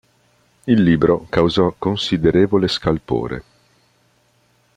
Il libro causò considerevole scalpore.